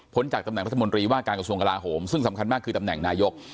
จากตำแหนรัฐมนตรีว่าการกระทรวงกลาโหมซึ่งสำคัญมากคือตำแหน่งนายก